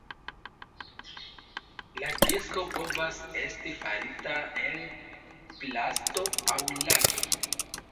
La disko povas esti farita el plasto aŭ lado.